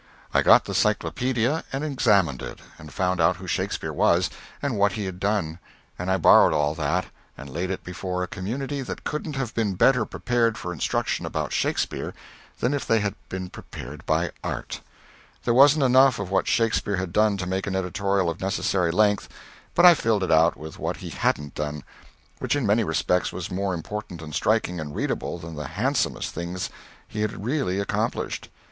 I got the Cyclopædia and examined it, and found out who Shakespeare was and what he had done, and I borrowed all that and laid it before a community that couldn't have been better prepared for instruction about Shakespeare than if they had been prepared by art. There wasn't enough of what Shakespeare had done to make an editorial of the necessary length, but I filled it out with what he hadn't done which in many respects was more important and striking and readable than the handsomest things he had really accomplished.